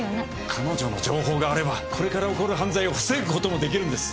彼女の情報があればこれから起こる犯罪を防ぐこともできるんです・